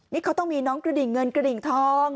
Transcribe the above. นี่เขาต้องมีน้องกระดิ่งเงินกระดิ่งทอง